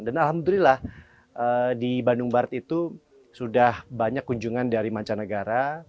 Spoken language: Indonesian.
dan alhamdulillah di bandung barat itu sudah banyak kunjungan dari mancanegara